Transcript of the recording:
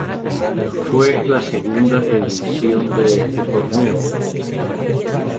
Fue la segunda edición de este torneo.